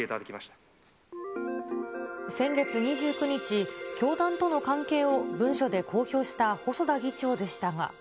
先月２９日、教団との関係を文書で公表した細田議長でしたが。